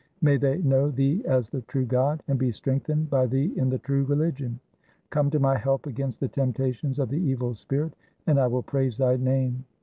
May they know thee as the true God, and be strengthened by thee in the true reUgion. Come to my help against the temptations of the evil spirit, and I will praise thy name."